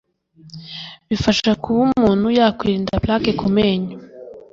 bifasha kuba umuntu yakwirinda plaque ku menyo